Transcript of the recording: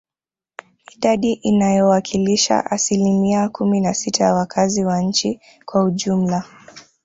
Idadi inayowakilisha asilimia kumi na sita ya wakazi wa nchi kwa ujumla